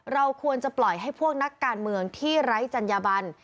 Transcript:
เราควรจะปล่อยให้พวกนักการเมืองที่ไร้จัญญบัน